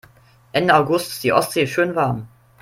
Ende August ist die Ostsee schön warm.